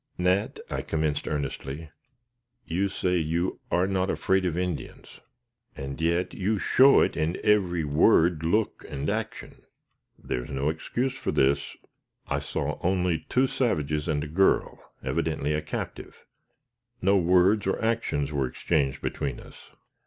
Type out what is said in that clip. "Nat," I commenced, earnestly, "you say you are not afraid of Indians, and yet you show it in every word, look, and action. There is no excuse for this. I saw only two savages, and a girl, evidently a captive; no words or actions were exchanged between us.